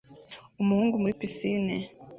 Umuhungu muri pisine